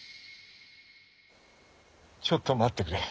ちょっと待ってくれ。